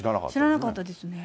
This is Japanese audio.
知らなかったですね。